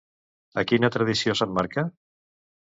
A quina tradició s'emmarca?